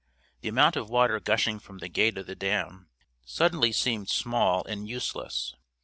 The amount of water gushing from the gate of the dam seemed suddenly small and useless.